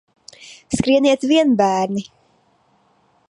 Skrieniet vien, bērni!